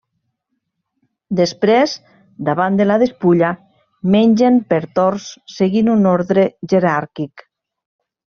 Després, davant de la despulla, mengen per torns, seguint un ordre jeràrquic.